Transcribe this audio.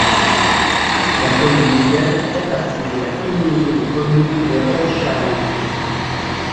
La commune nouvelle fait partie de la communauté de communes de Haute-Charente.